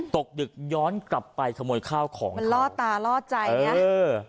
ตกดึกย้อนกลับไปขโมยข้าวของมันล่อตาล่อใจไงเออ